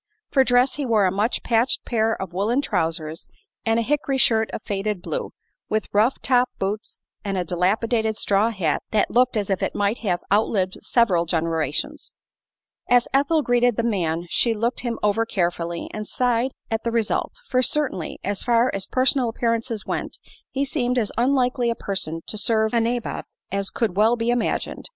For dress he wore a much patched pair of woolen trousers and a "hickory" shirt of faded blue, with rough top boots and a dilapidated straw hat that looked as if it might have outlived several generations. As Ethel greeted the man she looked him over carefully and sighed at the result; for certainly, as far as personal appearances went, he seemed as unlikely a person to serve a "nabob" as could well be imagined.